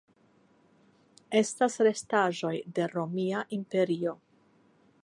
Estas restaĵoj de Romia Imperio.